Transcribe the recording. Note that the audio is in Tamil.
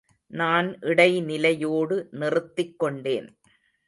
நான் இடைநிலையோடு நிறுத்திக்கொண்டேன்.